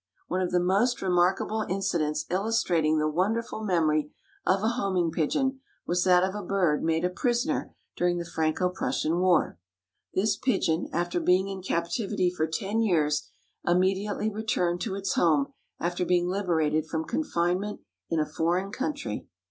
One of the most remarkable incidents illustrating the wonderful memory of a homing pigeon was that of a bird made a prisoner during the Franco Prussian war. This pigeon after being in captivity for ten years immediately returned to its home after being liberated from confinement in a foreign country.